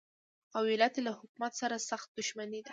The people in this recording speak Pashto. او علت یې له حکومت سره سخته دښمني ده.